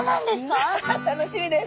わ楽しみです。